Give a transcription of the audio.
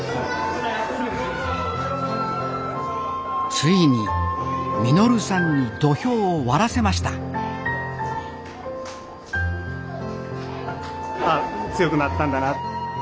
ついに稔さんに土俵を割らせましたあ強くなったんだな。